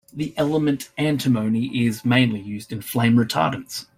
The element antimony is mainly used in flame retardants.